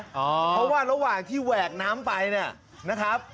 เพราะว่าระหว่างที่แหวกน้ำไปเนี่ยนะครับ